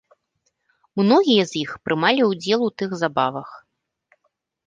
Многія з іх прымалі ўдзел у тых забавах.